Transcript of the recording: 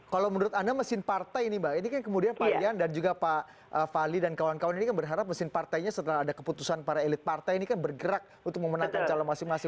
kalau menurut anda mesin partai ini mbak ini kan kemudian pak rian dan juga pak fadli dan kawan kawan ini kan berharap mesin partainya setelah ada keputusan para elit partai ini kan bergerak untuk memenangkan calon masing masing